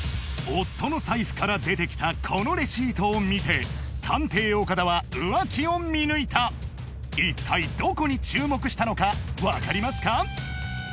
夫の財布から出てきたこのレシートを見て探偵・岡田は浮気を見抜いた一体どこに注目したのか分かりますか？